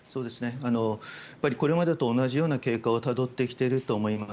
これまでと同じような経過をたどってきていると思います。